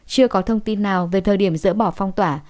chưa có thông tin nào về thời điểm dỡ bỏ phong tỏa